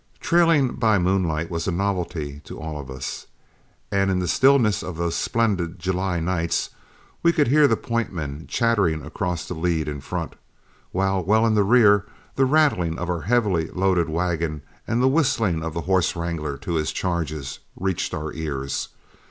Trailing by moonlight was a novelty to all of us, and in the stillness of those splendid July nights we could hear the point men chatting across the lead in front, while well in the rear, the rattling of our heavily loaded wagon and the whistling of the horse wrangler to his charges reached our ears.